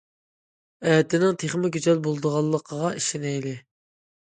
ئەتىنىڭ تېخىمۇ گۈزەل بولىدىغانلىقىغا ئىشىنەيلى.